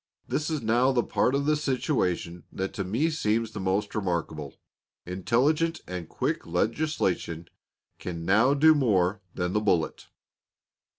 This is now the part of the situation that to me seems the most remarkable. Intelligent and quick legislation can now do more than the bullet.